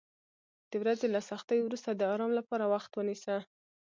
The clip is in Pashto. د ورځې له سختیو وروسته د آرام لپاره وخت ونیسه.